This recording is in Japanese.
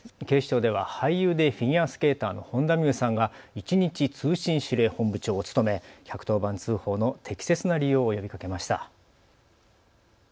警視庁では俳優でフィギュアスケーターの本田望結さんが１日通信指令本部長を務め１１０番通報の適切な利用を呼びかけました。